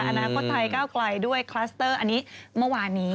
อาณาจิตไถห์๙ไก่ด้วยคลัสเตอร์อันนี้เมื่อวานนี้